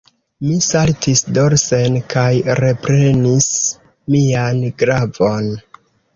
Mi saltis dorsen kaj reprenis mian glavon.